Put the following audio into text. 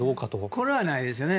これはないですね。